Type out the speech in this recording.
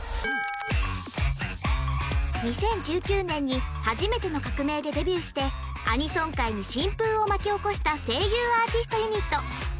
２０１９年に「はじめてのかくめい！」でデビューしてアニソン界に新風を巻き起こした声優アーティストユニット